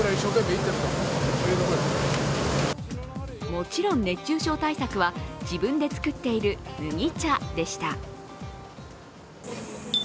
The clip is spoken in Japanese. もちろん熱中症対策は自分で作っている麦茶でした。